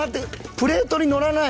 プレートにのらない。